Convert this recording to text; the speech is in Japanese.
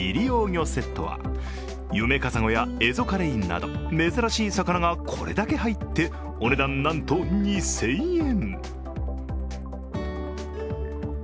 魚セットは、ユメカサゴやエゾカレイなど、珍しい魚がこれだけ入ってお値段なんと２０００円。